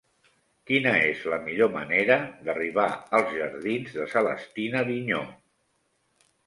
Quina és la millor manera d'arribar als jardins de Celestina Vigneaux?